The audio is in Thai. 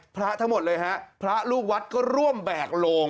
พระทั้งหมดเลยฮะพระลูกวัดก็ร่วมแบกโลง